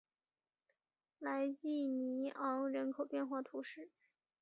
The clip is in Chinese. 莱济尼昂人口变化图示